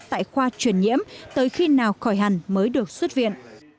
tại khoa truyền nhiễm tới khi nào khỏi hẳn mới được xuất viện